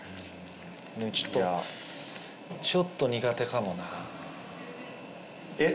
でもちょっとちょっと苦手かもなえっ？